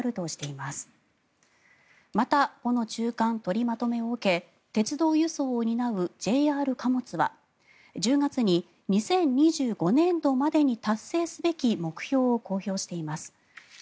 またこの中間取りまとめを受け鉄道輸送を担うＪＲ貨物は１０月に、２０２５年度までに達成すべき目標を公表しています。